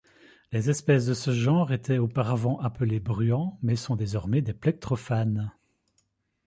Les espèces de ce genre étaient auparavant appelées bruants mais sont désormais des plectrophanes.